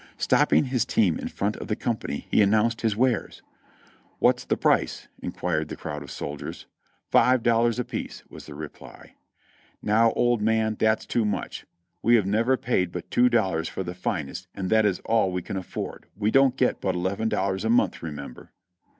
Stopping his team in front of the company he announced his wares. "What's the price?" inquired the crowd of soldiers. "Five dollars apiece," was the reply. "Now, old man, that's too much ; we have never paid but two dollars for the finest, and that is all that we can afford ; we don't get but eleven dollars a month, remember."